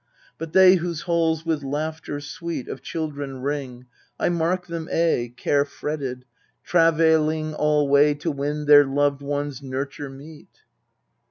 But they whose halls with laughter sweet Of children ring I mark them aye Care fretted, travailing alwriv To win their loved ones nurture meet.